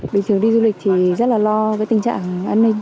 bình thường đi du lịch thì rất là lo cái tình trạng an ninh